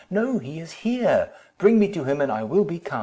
No, he is here—bring me to him, and I will be calm!"